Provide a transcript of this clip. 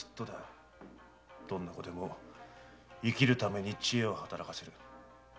どんな子でも生きるために知恵を働かせる。